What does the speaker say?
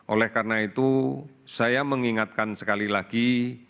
oleh karena itu saya mengingatkan sekali lagi